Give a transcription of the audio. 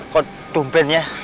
kok tumpen ya